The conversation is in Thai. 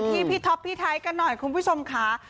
ที่พี่ท็อปพี่ไทยกันหน่อยคุณผู้ชมค่ะ